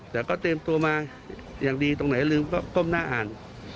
แต่ก็เตรียมตัวมาอย่างดีตรงไหนลืมก็ก้มหน้าอ่าน